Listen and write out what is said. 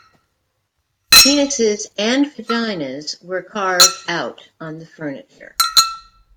Penises and vaginas were carved out on the furniture.